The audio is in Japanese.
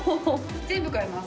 全部買います。